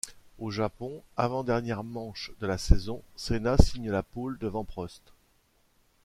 Au Japon, avant-dernière manche de la saison, Senna signe la pole devant Prost.